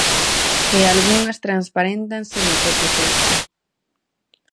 E algunhas transparéntanse no propio texto.